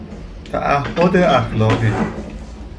تعهد اخلاقی